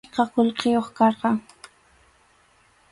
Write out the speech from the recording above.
Achka qullqiyuq karqan.